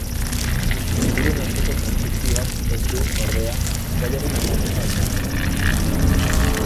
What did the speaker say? Liburuen arteko trantsizioak ez du, ordea, gaiaren aldaketa ekartzen.